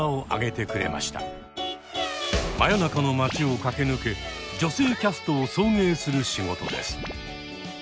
真夜中の街を駆け抜け女性キャストを送迎する仕事です。